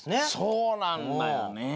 そうなんだよねえ。